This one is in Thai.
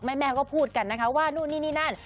แม่ก็พูดกันนะคะว่านู่นนี่นี่นั่น